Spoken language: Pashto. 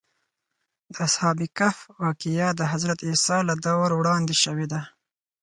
د اصحاب کهف واقعه د حضرت عیسی له دور وړاندې شوې ده.